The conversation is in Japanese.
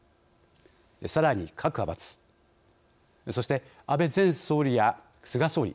さらに、各派閥安倍前総理や菅総理。